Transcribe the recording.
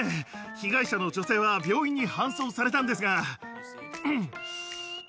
被害者の女性は病院に搬送されたんですが。